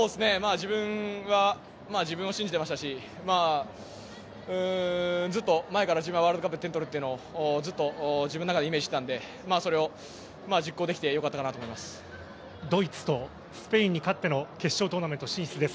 自分は自分を信じてましたしずっと前から自分はワールドカップで取っていくというのをずっと自分の中でイメージしていたんでそれを実行できてドイツとスペインに勝っての決勝トーナメント進出です。